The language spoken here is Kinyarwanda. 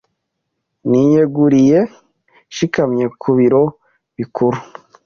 Niyeguriye nshikamye ku biro bikuru